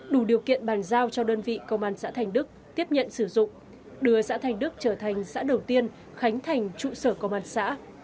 đủ điều kiện bàn giao cho đơn vị công an xã thành đức tiếp nhận sử dụng đưa xã thành đức trở thành xã đầu tiên khánh thành trụ sở công an xã